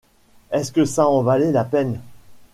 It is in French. Est-ce que ça en valait la peine ?